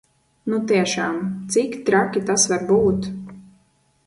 Nu tiešām, cik traki tas var būt?